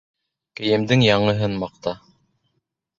Кейемдең яңыһын маҡта